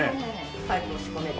パイプを仕込める。